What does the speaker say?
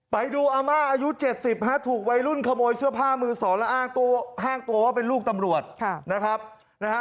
ไปดูอาม่าอายุเจ็ดสิบถูกวัยรุ่นขโมยเสื้อผ้ามือสองและอ้างตัวว่าเป็นลูกตำรวจ